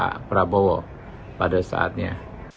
pak prabowo pada saatnya